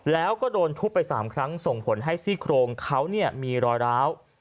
แล้วก็โดนทุบไป๓ครั้งส่งผลให้ซี่โครงเขามีรอยร้าว